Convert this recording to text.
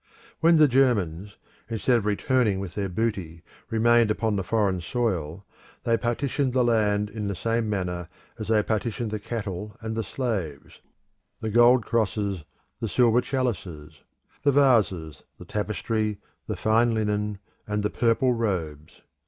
When the Germans, instead of returning with their booty, remained upon the foreign soil, they partitioned the land in the same manner as they partitioned the cattle and the slaves, the gold crosses, the silver chalices; the vases, the tapestry, the fine linen, and the purple robes.